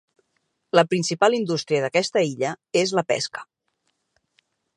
La principal indústria d'aquesta illa és la pesca.